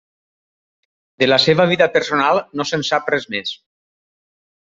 De la seva vida personal no se'n sap res més.